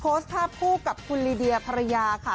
โพสต์ภาพคู่กับคุณลีเดียภรรยาค่ะ